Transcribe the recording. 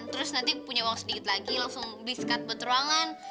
terus nanti punya uang sedikit lagi langsung discut buat ruangan